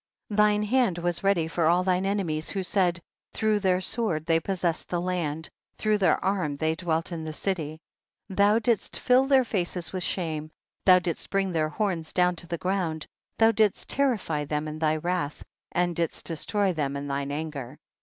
14. Thine hand was ready for all thine enemies who said, througii tiieir sword they possessed the land, through their arm they dwelt in the city ; thou didst fill their faces with shame, thou didst bring their horns down to the ground, thou didst terrify them in thy wrath, and didst destroy them in thine anger, 15.